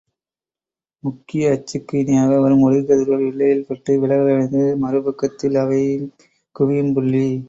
முக்கிய அச்சுக்கு இணையாக வரும் ஒளிக் கதிர்கள் வில்லையில் பட்டு விலகலடைந்து மறுபக்கத்தில் அவை குவியும் புள்ளி.